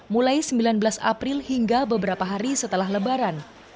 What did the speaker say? mulai sembilan belas april hingga beberapa hari setelah lebaran